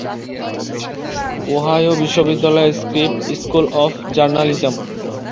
Ohio বিশ্ববিদ্যালয়ের Scripps school of journalism.